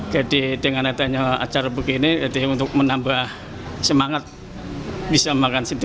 jadi dengan adanya acara begini jadi untuk menambah semangat bisa makan sini